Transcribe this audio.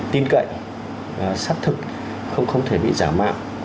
tin cậy xác thực không thể bị giả mạo